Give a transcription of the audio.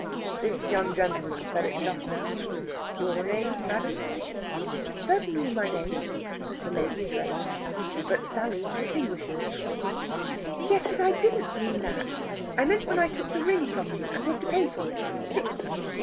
"This young gentleman said it just now. Your name, madame?" "Certainly, my name," says the lady addressed. But Sally distinguishes: "Yes, but I didn't mean that. I meant when I took the ring from you, and was to pay for it. Sixpence.